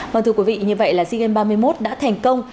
vâng thưa quý vị như vậy là sea games ba mươi một đã thành công